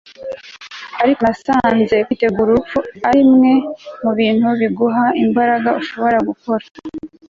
ariko nasanze kwitegura urupfu arimwe mubintu biguha imbaraga ushobora gukora